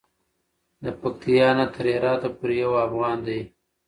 د پکتیا نه تر هراته پورې یو افغان دی.